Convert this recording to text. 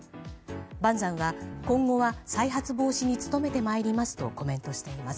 バンザンは今後は再発防止に努めてまいりますとコメントしています。